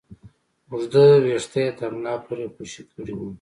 اوږده ويښته يې تر ملا پورې خوشې کړي وو.